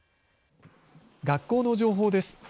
学校の情報です。